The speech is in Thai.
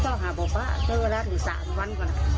เจ้าหาป่าเจ้าละ๑๓วัน